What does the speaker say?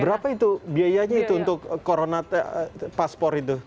berapa itu biayanya itu untuk corona paspor itu